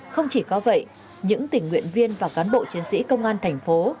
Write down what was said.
không chỉ có vậy những tình nguyện viên và cán bộ chiến sĩ công an thành phố